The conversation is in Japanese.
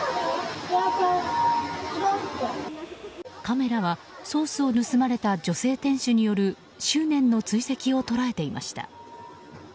カメラはソースを盗まれた女性店主による執念の追跡を捉えていました。